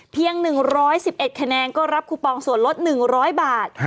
๑๑๑๑คะแนนก็รับคูปองส่วนลด๑๐๐บาท